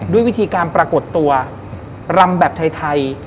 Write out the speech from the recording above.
ด้วยวิธีการปรากฏตัวรำแบบไทย